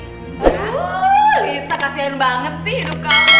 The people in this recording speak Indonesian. uuuhh lita kasihan banget sih hidup kamu